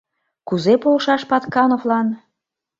Кузе полшаш Паткановлан?